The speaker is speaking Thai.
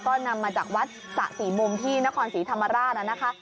ก็นำมาจากวัดสะสี่มุมที่นครศรีธรรมราชนะคะ